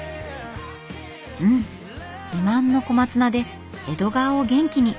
うん自慢の小松菜で江戸川を元気に。